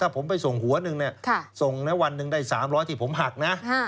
ถ้าผมไปส่งหัวหนึ่งเนี่ยส่งแล้ววันหนึ่งได้สามร้อยที่ผมหักนะ